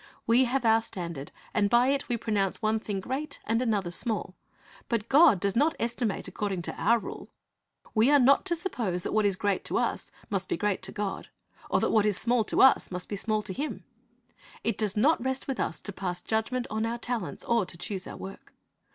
We have our standard, and by it we pronounce one thing great and another small; but God does not estimate according to our rule. We are not to suppose that what is great to us must be great to God, or that what is small to us must be small to Him. It does not rest with us to pass judgment on our talents or to choose our work.